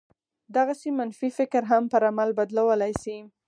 دغسې منفي فکر هم پر عمل بدلولای شي